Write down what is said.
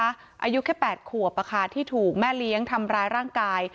อายุแค่๘ขวบที่ถูกแม่เลี้ยงทำร้ายร่างกาย